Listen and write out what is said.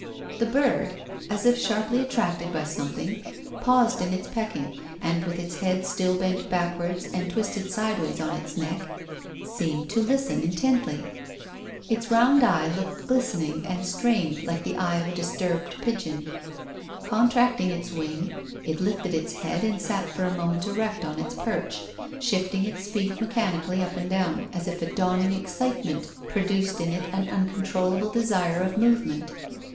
The bird, as if PROFESSOR GUILDEA. 313 sharply attracted by something, paused in its pecking, and, with its head still bent backward and twisted sideways on its neck, seemed to listen in tently. Its round eye looked glistening and strained like the eye of a disturbed pigeon. Con tracting its wing, it lifted its head and sat for a mo ment erect on its perch, shifting its feet mechan ically up and down, as if a dawning excitement produced in it an uncontrollable desire of move ment.